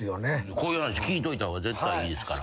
こういう話聞いといた方が絶対いいですから。